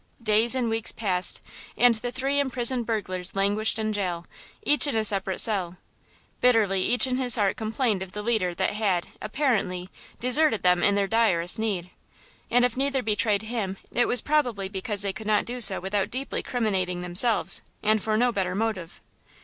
Days and weeks passed and the three imprisoned burglars languished in jail, each in a separate cell. Bitterly each in his heart complained of the leader that had, apparently, deserted them in their direst need. And if neither betrayed him it was probably because they could not do so without deeply criminating themselves, and for no better motive.